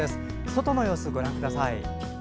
外の様子、ご覧ください。